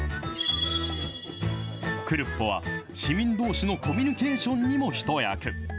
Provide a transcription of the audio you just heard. クルッポは、市民どうしのコミュニケーションにも一役。